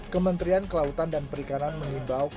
kementerian kelautan dan perikanan mengimbau